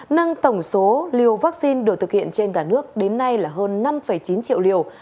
nâng tổng số liều vaccine được thực hiện trên cả nước đến nay là hơn năm chín triệu liều